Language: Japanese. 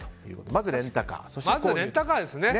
まずレンタカーですね。